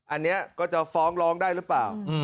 อันนี้ก็จะฟ้องร้องได้หรือเปล่า